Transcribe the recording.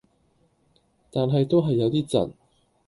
但係都係有啲窒